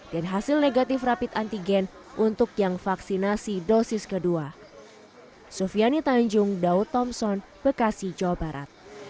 dan hasil negatif rapid antigen untuk yang vaksinasi dosis kedua